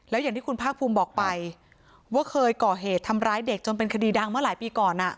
แล้วอย่างที่คุณภาคภูมิบอกไปว่าเคยก่อเหตุทำร้ายเด็กจนเป็นคดีดังเมื่อหลายปีก่อน